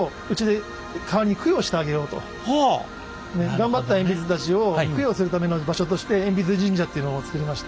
頑張った鉛筆たちを供養するための場所として鉛筆神社っていうのを造りまして。